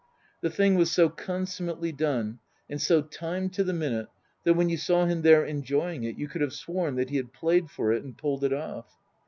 The thing was so con summately done, and so timed to the minute, that when you saw him there enjoying it, you could have sworn that he had played for it and pulled it off.